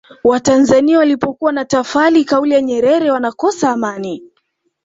watanzania walipokuwa wanatafali kauli ya nyerere wanakosa amani